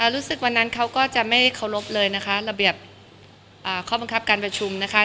วันนั้นเขาก็จะไม่เคารพเลยนะคะระเบียบข้อบังคับการประชุมนะคะ